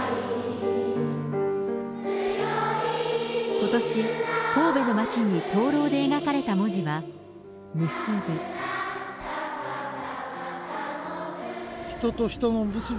ことし、神戸の街に灯籠で描かれた文字は、むすぶ。